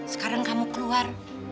sekarang kamu keluar